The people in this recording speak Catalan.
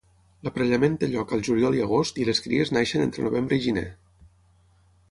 L'aparellament té lloc al juliol i agost i les cries neixen entre novembre i gener.